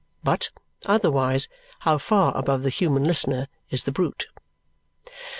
But, otherwise, how far above the human listener is the brute!